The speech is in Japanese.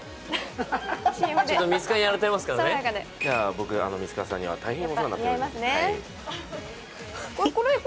僕、ミツカンさんには大変お世話になっております。